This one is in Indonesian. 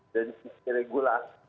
dari sisi regulas